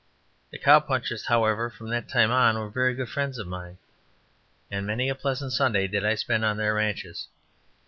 The cow punchers, however, from that time on were very good friends of mine, and many a pleasant Sunday did I spend on their ranches.